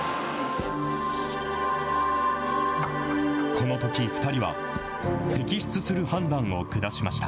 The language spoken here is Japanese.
このとき２人は、摘出する判断を下しました。